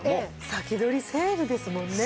先取りセールですもんね。